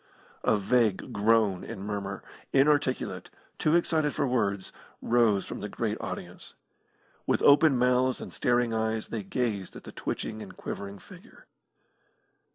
A vague groan and murmur, inarticulate, too excited for words, rose from the great audience. With open mouths and staring eyes they gazed at the twitching and quivering figure.